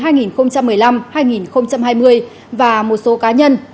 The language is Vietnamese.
nhiệm kỳ hai nghìn một mươi năm hai nghìn hai mươi và một số cá nhân